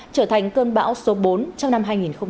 trở thành cơn bão số bốn trong năm hai nghìn hai mươi